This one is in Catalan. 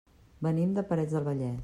Venim de Parets del Vallès.